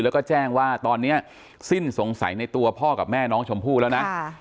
แล้วก็แจ้งว่าตอนนี้สิ้นสงสัยในตัวพ่อกับแม่น้องชมพู่แล้วนะ